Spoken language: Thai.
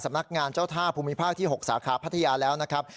นักงานเจ้าท่าภูมิภาคที่๖สาขาพัทยาแล้วนะครับ